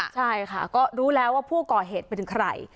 ใช่ค่ะก็รู้แล้วว่าผู้ก่อเหตุเป็นถึงใคร